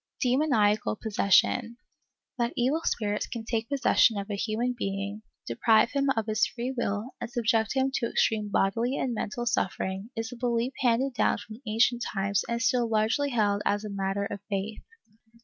^ Demoniacal Possession. That evil spirits can take possession of a human being, deprive him of his free will and subject him to extreme bodily and mental suffering, is a belief handed down from ancient times and still largely held as a matter of faith.